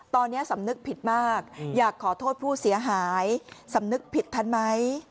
ตอนนี้สำนึกผิดมากอยากขอโทษผู้เสียหายสำนึกผิดทันไหม